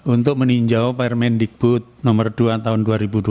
untuk meninjau permendikbud nomor dua tahun dua ribu dua puluh